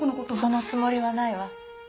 そのつもりはないわ。